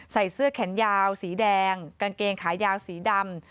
ใส่เสื้อแขนยาวสีแดงกางเกงขายาวสีดำ